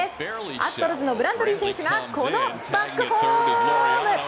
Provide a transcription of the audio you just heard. アストロズのブラントリー選手がこのバックホーム！